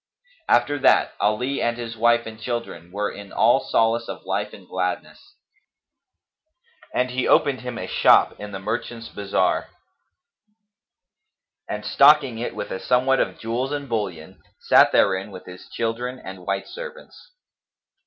After that Ali and his wife and children were in all solace of life and gladness; and he opened him a shop in the merchants' bazar and, stocking it with a somewhat of jewels and bullion, sat therein with his children and white servants.